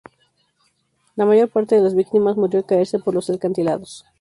La mayor parte de las víctimas murió al caerse por los acantilados.